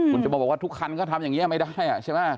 คุณจะบอกว่าทุกคันก็ทำอย่างนี้ไม่ได้ใช่ไหม